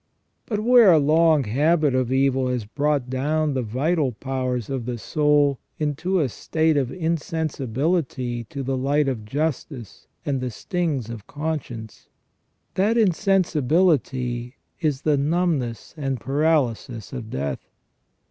But where a long habit of evil has brought down the vital powers of the soul into a state of insensibility to the light of justice and the stings of conscience, that insensibility is the numbness and paralysis of death.